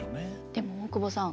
でも大久保さん